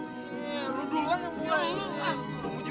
iya lo duluan yang mulai